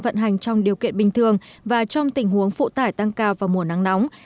vận hành trong điều kiện bình thường và trong tình huống phụ tải tăng cao vào mùa nắng nóng